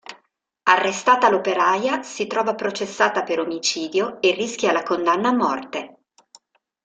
Arrestata l'operaia si trova processata per omicidio e rischia la condanna a morte.